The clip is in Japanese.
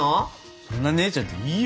そんな姉ちゃんでいいよ